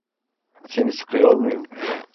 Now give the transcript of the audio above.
Seni sıkıyor muyum?